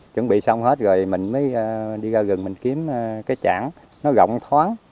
chuẩn bị xong hết rồi mình mới đi ra gừng mình kiếm cái chảng nó rộng thoáng